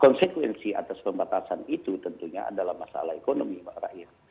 konsekuensi atas pembatasan itu tentunya adalah masalah ekonomi pak rakyat